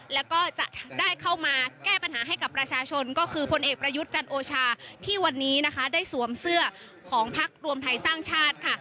แล้วก็จะได้เข้ามาแก้ปัญหาให้กับประชาชนก็คือพลเอกประยุทธ์จันโอชาที่วันนี้นะคะได้สวมเสื้อของพักรวมไทยสร้างชาติค่ะ